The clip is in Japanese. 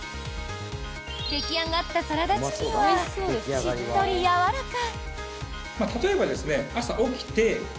出来上がったサラダチキンはしっとりやわらか。